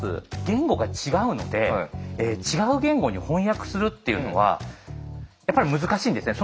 言語が違うので違う言語に翻訳するっていうのはやっぱり難しいんですね。